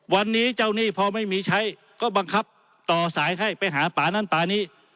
วันนี้เจ้าหนี้พอไม่มีใช้ก็บังคับต่อสายให้ไปหาป่านั้นป่านี้